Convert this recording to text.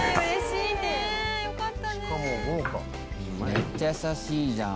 「めっちゃ優しいじゃん」